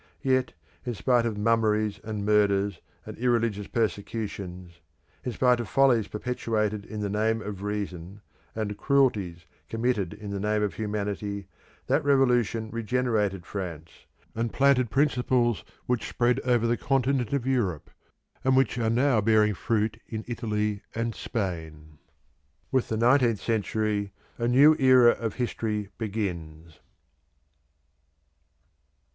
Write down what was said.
Yet, in spite of mummeries and murders, and irreligious persecutions; in spite of follies perpetrated in the name of Reason, and cruelties committed in the name of Humanity, that revolution regenerated France, and planted principles which spread over the continent of Europe, and which are now bearing fruit in Italy and Spain. With the nineteenth century, a new era of history begins.